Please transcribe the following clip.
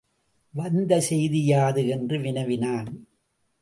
வந்த செய்தி யாது? என்று வினவினான்.